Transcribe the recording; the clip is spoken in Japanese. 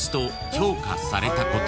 評価されたこと］